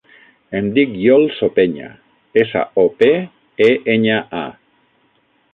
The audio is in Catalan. Em dic Iol Sopeña: essa, o, pe, e, enya, a.